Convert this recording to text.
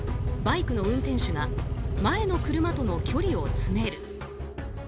バイクの運転手が前の車との距離を詰める。